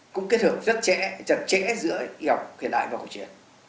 cũng kết hợp rất chặt chẽ chặt chẽ giữa y học hiện đại và cổ truyền